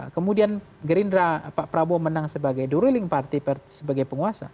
kemudian gerindra pak prabowo menang sebagai duriling party sebagai penguasa